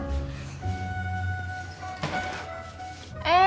masih keras sampe lo